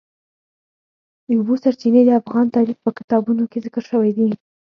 د اوبو سرچینې د افغان تاریخ په کتابونو کې ذکر شوی دي.